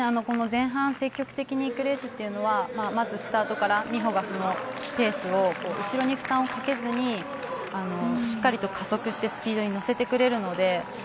前半、積極的にいくレースというのはまずスタートから美帆がペースを後ろに負担をかけずにしっかりと加速してスピードに乗せてくれるので。